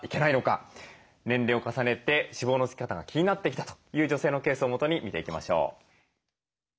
年齢を重ねて脂肪のつき方が気になってきたという女性のケースをもとに見ていきましょう。